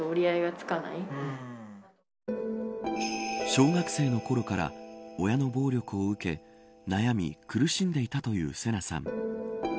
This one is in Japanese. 小学生のころから親の暴力を受け悩み苦しんでいたというセナさん。